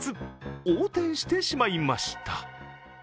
横転してしまいました。